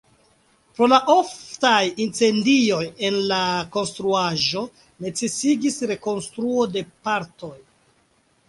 Pro la oftaj incendioj en la konstruaĵo necesigis rekonstruo de partoj.